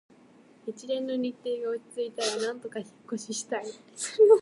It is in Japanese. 一連の日程が落ち着いたら、なんとか引っ越ししたい